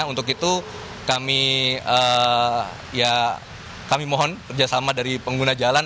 untuk itu kami ya kami mohon kerjasama dari pengguna jalan